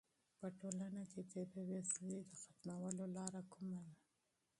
په ټولنه کې د بې وزلۍ د ختمولو لاره کومه ده؟